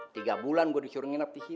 tiga bulan gue disuruh nginep di situ